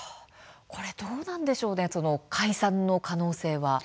これ、どうなんでしょう解散の可能性は。